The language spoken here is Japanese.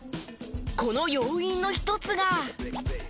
この要因の一つが。